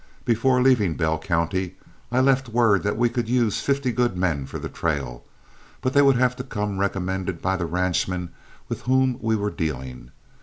Before leaving Bell County, I left word that we could use fifty good men for the trail, but they would have to come recommended by the ranchmen with whom we were dealing.